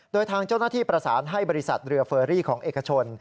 โดยทางเจ้าหน้าที่ประสานให้บริษัทเรือเฟอรี่ของเอกชน